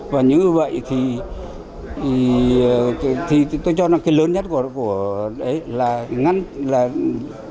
và như vậy thì tôi cho là cái lớn nhất của đấy là đảm bảo